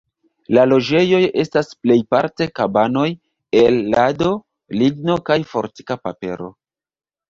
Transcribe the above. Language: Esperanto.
La loĝejoj estas plejparte kabanoj el lado, ligno kaj fortika papero.